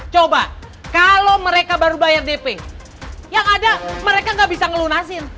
coba kalau mereka baru bayar dp yang ada mereka nggak bisa ngelunasin